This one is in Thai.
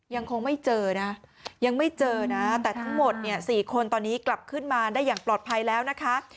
ยังคงไม่เจอนะยังไม่เจอนะแต่ทั้งหมดเนี่ย๔คนตอนนี้กลับขึ้นมาได้อย่างปลอดภัยแล้วนะคะ